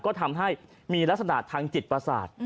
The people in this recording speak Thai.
ก็ทำให้มีลักษณะทางจิตประสาท